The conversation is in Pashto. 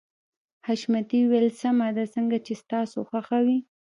حشمتي وويل سمه ده څنګه چې ستاسو خوښه وي.